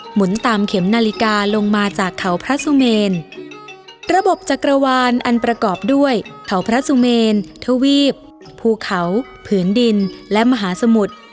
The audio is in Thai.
หมุนตามเข็มนาฬิกาลงมาจากเขาพระสุเมนระบบจักรวาลอันประกอบด้วยเขาพระสุเมนทวีปภูเขาผืนดินและมหาสมุทร